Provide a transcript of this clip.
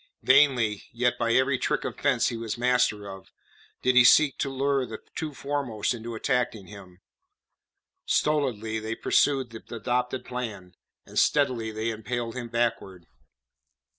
Vainly, yet by every trick of fence he was master of, did he seek to lure the two foremost into attacking him; stolidly they pursued the adopted plan, and steadily they impelled him backward.